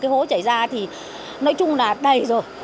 cái hố chảy ra thì nói chung là đầy rồi